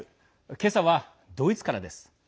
今朝は、ドイツからです。